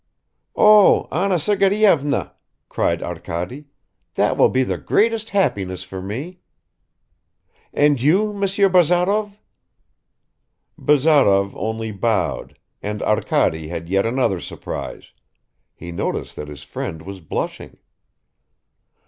"Oh, Anna Sergeyevna," cried Arkady, "that will be the greatest happiness for me." "And you, Monsieur Bazarov?" Bazarov only bowed and Arkady had yet another surprise; he noticed that his friend was blushing.